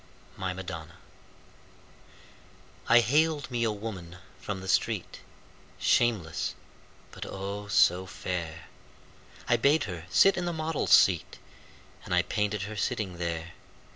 My Madonna I haled me a woman from the street, Shameless, but, oh, so fair! I bade her sit in the model's seat And I painted her sitting there.